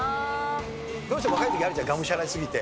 どうしても若いとき、あるじゃん、がむしゃら過ぎて。